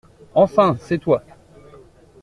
Enfin, c’est toi !